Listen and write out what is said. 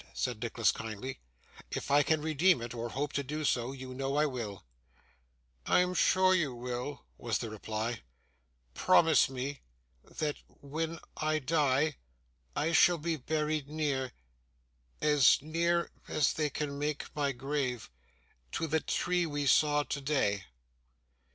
said Nicholas, kindly. 'If I can redeem it, or hope to do so, you know I will.' 'I am sure you will,' was the reply. 'Promise me that when I die, I shall be buried near as near as they can make my grave to the tree we saw today.